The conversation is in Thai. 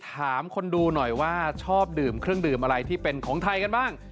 ถามคนดูหน่อยว่าชอบดื่มเครื่องดื่มอะไรที่เป็นของไทยกันบ้าง